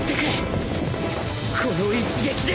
この一撃で！